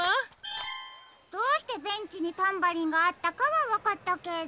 どうしてベンチにタンバリンがあったかはわかったけど。